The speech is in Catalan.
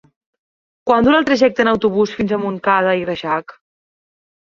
Quant dura el trajecte en autobús fins a Montcada i Reixac?